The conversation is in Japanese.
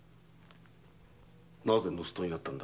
なぜ盗っ人になったんだ？